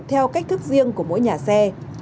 theo cách thức riêng của mỗi nhà xe